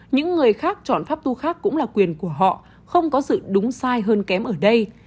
những người khác chọn pháp tu khác cũng là quyền của họ không có sự đúng sai hơn kém ở đây